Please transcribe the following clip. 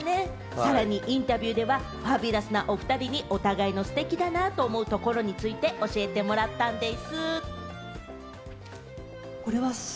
さらにインタビューではファビュラスなおふたりに、お互いのステキだなと思うところについて、教えてもらったんでぃす。